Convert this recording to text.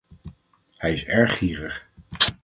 Hij is erg gierig.